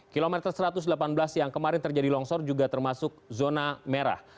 kilometer satu ratus delapan belas yang kemarin terjadi longsor juga termasuk zona merah